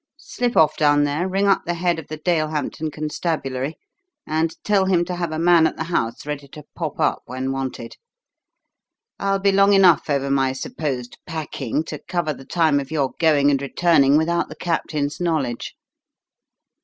Slip off down there, ring up the head of the Dalehampton Constabulary, and tell him to have a man at the house ready to pop up when wanted. I'll be long enough over my supposed 'packing' to cover the time of your going and returning without the Captain's knowledge."